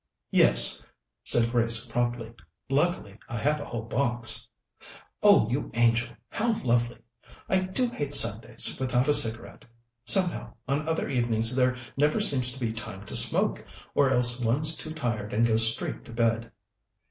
"Yes," said Grace promptly. "Luckily, I have a whole box." "Oh, you angel! How lovely! I do hate Sundays without a cigarette. Somehow, on other evenings there never seems to be time to smoke, or else one's too tired and goes straight to bed."